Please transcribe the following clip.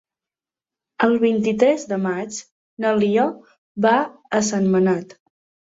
El vint-i-tres de maig na Lia va a Sentmenat.